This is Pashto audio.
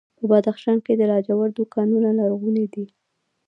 په بدخشان کې د لاجوردو کانونه لرغوني دي